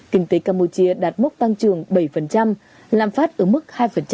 kinh tế campuchia đạt mốc tăng trường bảy lạm phát ở mức hai